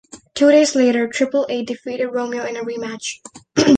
Two days later, Triple A defeated Romeo in a rematch.